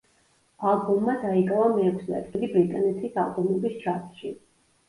ალბომმა დაიკავა მეექვსე ადგილი ბრიტანეთის ალბომების ჩარტში.